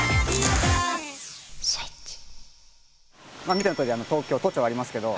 見てのとおり東京都庁ありますけど。